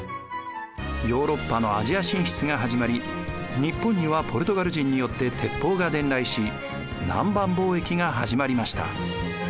ヨーロッパのアジア進出が始まり日本にはポルトガル人によって鉄砲が伝来し南蛮貿易が始まりました。